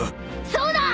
そうだ！